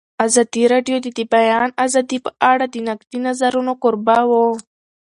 ازادي راډیو د د بیان آزادي په اړه د نقدي نظرونو کوربه وه.